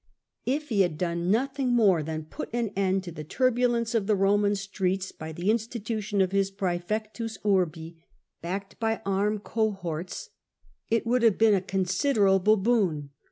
If he had done nothing more than put an end to the turbulence of the Roman streets, by the institution of his ^rmfectus urli backed by armed cohorts, it would have been a considerable boon.